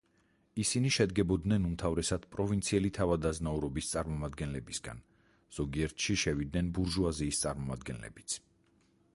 ისინი შედგებოდნენ უმთავრესად პროვინციელი თავადაზნაურობის წარმომადგენლებისაგან, ზოგიერთში შევიდნენ ბურჟუაზიის წარმომადგენლებიც.